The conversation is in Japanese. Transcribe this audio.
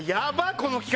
この企画。